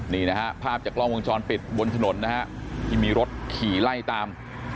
นี่นะฮะภาพจากกล้องวงจรปิดบนถนนนะฮะที่มีรถขี่ไล่ตาม